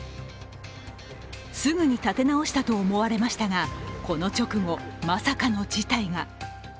すぐに立て直したと思われましたがこの直後、まさかの事態が。